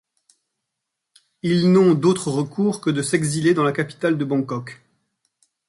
Ils n'ont d'autres recours que de s'exiler dans la capitale de Bangkok...